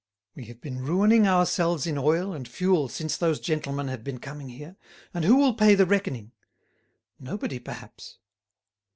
"We have been ruining ourselves in oil and fuel since those gentlemen have been coming here. And who will pay the reckoning? Nobody perhaps."